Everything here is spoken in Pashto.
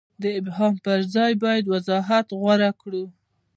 د ابهام پر ځای باید وضاحت غوره کړو.